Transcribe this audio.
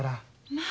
まあ。